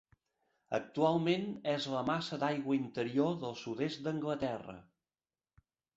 Actualment és la massa d'aigua interior del sud-est d'Anglaterra.